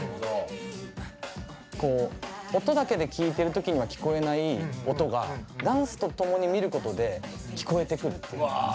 こう音だけで聴いてる時には聴こえない音がダンスと共に見ることで聴こえてくるっていう。